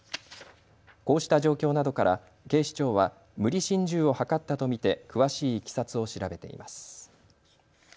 こうした状況などから警視庁は無理心中を図ったと見て詳しいいきさつを調べています。